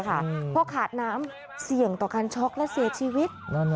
พอขาดน้ำเสี่ยงต่อการช็อกและเสียชีวิต